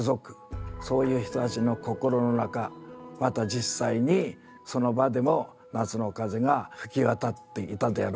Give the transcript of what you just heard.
そういう人たちの心の中また実際にその場でも「夏の風」が吹き渡っていたであろう。